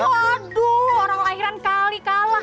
waduh orang lahiran kali kalah